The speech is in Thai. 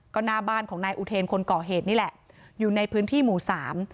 ก็หน้าบ้านของนายอุเทนคนก่อเหตุนี่แหละอยู่ในพื้นที่หมู่สาม